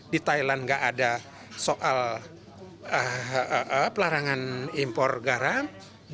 di thailand nggak ada soal pelarangan impor garam